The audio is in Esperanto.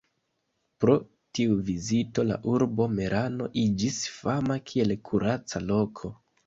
Pro tiu vizito la urbo Merano iĝis fama kiel kuraca loko.